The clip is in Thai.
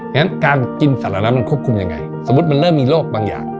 งั้นการกินสัตว์เหล่านั้นมันควบคุมยังไงสมมุติมันเริ่มมีโรคบางอย่าง